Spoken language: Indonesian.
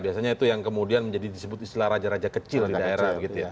biasanya itu yang kemudian menjadi disebut istilah raja raja kecil di daerah